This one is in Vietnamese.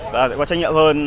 và sẽ có trách nhiệm hơn